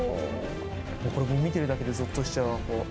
これもう見てるだけでぞっとしちゃうわ。